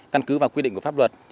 căn cứ vào quy định của pháp luật